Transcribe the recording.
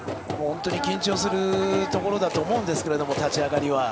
本当に緊張するところだと思うんですけど立ち上がりは。